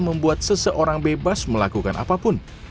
membuat seseorang bebas melakukan apapun